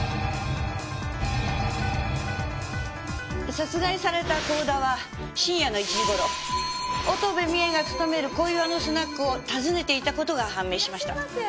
殺害された甲田は深夜の１時頃乙部美栄が勤める小岩のスナックを訪ねていた事が判明しました。